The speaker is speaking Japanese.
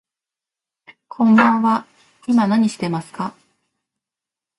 こんばんは、今何してますか。